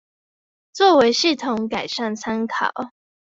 作為系統改善參考